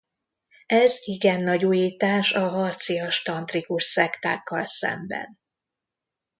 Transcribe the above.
Ez igen nagy újítás a harcias tantrikus szektákkal szemben.